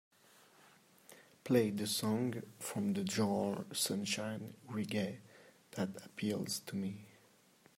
Play the song from the genre Sunshine Reggae that appeals to me.